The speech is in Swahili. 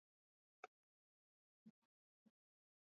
Nyumba ilianguka chini baada ya upepo kupuliza